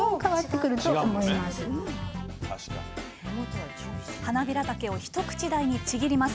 はなびらたけを一口大にちぎります。